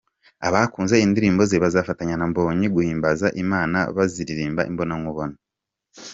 Abakunze indirimbo ze, bazafatanya na Mbonyi guhimbaza Imana baziririmba imbonankubone.